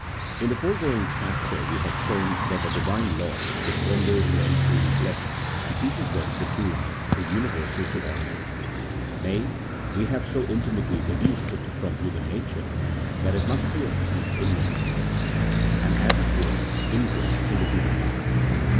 IN the foregoing chapter we have shown that the Divine law, which renders men truly blessed, and teaches them the true life, is universal to all men ; nay, we have so inti mately deduced it from human nature that it must be es teemed innate, and, as it were, ingrained in the human mind.